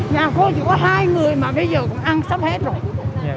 nhà cô chỉ có hai người mà bây giờ cũng ăn sắp hết rồi